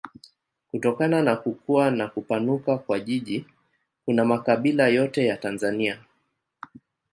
Kutokana na kukua na kupanuka kwa jiji kuna makabila yote ya Tanzania.